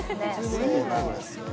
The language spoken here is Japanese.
そうなんですよ